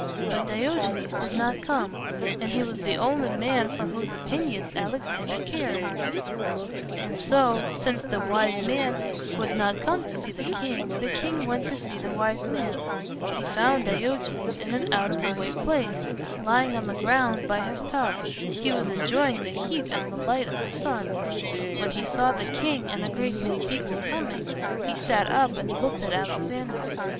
But Diogenes did not come; and he was the only man for whose o pin ions Alexander cared. [Illustration: Diogenes and Alexander.] And so, since the wise man would not come to see the king, the king went to see the wise man. He found Diogenes in an out of the way place, lying on the ground by his tub. He was en joy ing the heat and the light of the sun. When he saw the king and a great many people coming, he sat up and looked at Alexander.